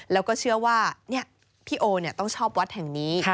แล้วก็เชื่อว่าเนี่ยพี่โอเนี่ยต้องชอบวัดแห่งนี้